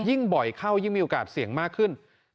ยิ่งบ่อยเข้ายิ่งมีโอกาสเสี่ยงมากขึ้น